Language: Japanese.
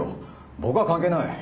僕は関係ない。